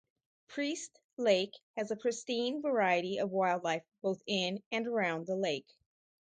Priest Lake has a pristine variety of wildlife both in and around the lake.